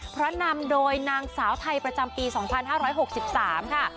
พระนำโดยนางสาวไทยประจำปีสองพันห้าร้อยหกสิบสามค่ะ